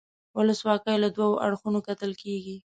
ولسواکي له دوو اړخونو کتل کیږي.